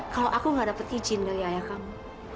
kalau aku gak dapat izin dari ayah kamu